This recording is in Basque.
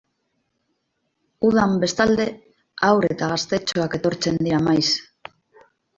Udan, bestalde, haur eta gaztetxoak etortzen dira maiz.